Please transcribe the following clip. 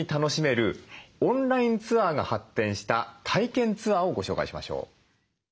オンラインツアーが発展した体験ツアーをご紹介しましょう。